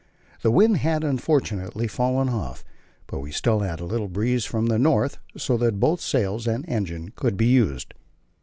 The wind had, unfortunately, fallen off, but we still had a little breeze from the north, so that both sails and engine could be used.